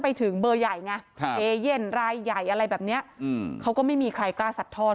ไม่ถึงเบอร์ใหญ่ไงอะไรแบบนี้เขาก็ไม่มีใครกล้าซัดทอด